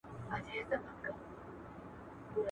سپي به سمدستي ځغستل د هغه لور ته.